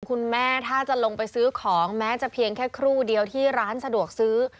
คุณแม่ถ้าจะลงไปซื้อของแม้จะเพียงแค่ครู่เดียวที่ร้านสะดวกซื้อ